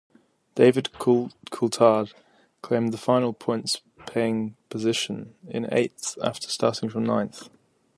David Coulthard claimed the final points-paying position in eighth after starting from ninth.